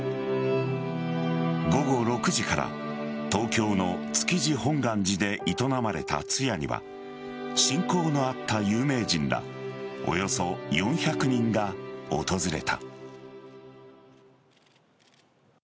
午後６時から東京の築地本願寺で営まれた通夜には親交のあった有名人らおよそ４００人が訪れた。